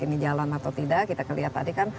ini jalan atau tidak kita lihat tadi kan